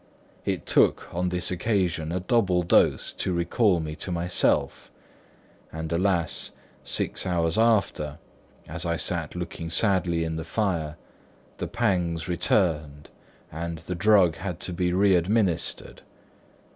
It took on this occasion a double dose to recall me to myself; and alas! six hours after, as I sat looking sadly in the fire, the pangs returned, and the drug had to be re administered.